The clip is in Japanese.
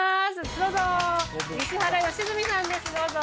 どうぞ石原良純さんですどうぞ。